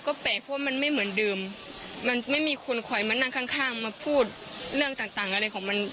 ก็แปลกเพราะว่ามันไม่เหมือนเดิมมันไม่มีคนคอยมานั่งข้างข้างมาพูดเรื่องต่างต่างอะไรของมัน